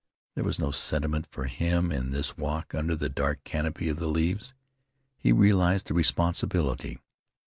There was no sentiment for him in this walk under the dark canopy of the leaves. He realized the responsibility.